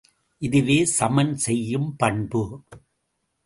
இதுவே சமன் செய்யும் பண்பு.